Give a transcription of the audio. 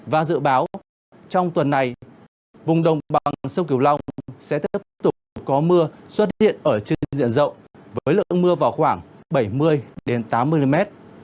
và dự báo trong tuần này vùng đồng bằng sông kiều long sẽ tiếp tục có mưa xuất hiện ở trên diện rộng với lượng mưa vào khoảng bảy mươi tám mm